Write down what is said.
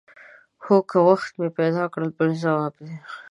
هو که وخت مې پیدا کړ بل ځواب دی.